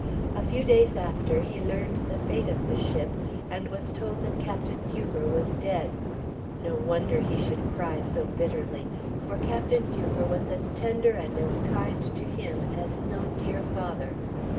A few days after, he learned the fate of the ship, and was told that Captain Huger was dead. No wonder he should cry so bitterly! For Captain Huger was as tender and as kind to him as his own dear father.